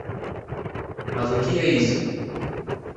Mas o que é isso?